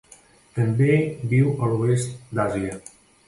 També viu a l'oest d'Àsia.